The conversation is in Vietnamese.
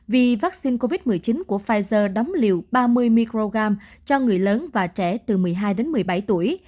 vì vaccine covid một mươi chín của pfizer đóng liều ba mươi microgram cho người lớn và trẻ từ một mươi hai đến một mươi bảy tuổi